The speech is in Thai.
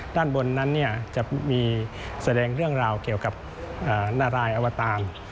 ด้านบนนั้นจะมีแสดงเรื่องราวเกี่ยวกับนารายอวตาร